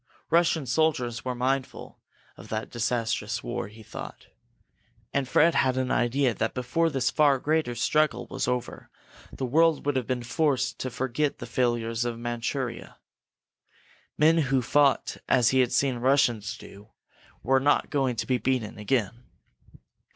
Russian soldiers were mindful of that disastrous war, he thought. And Fred had an idea that before this far greater struggle was over, the world would have been forced to forget the failures of Manchuria. Men who fought as he had seen Russians do were not going to be beaten again.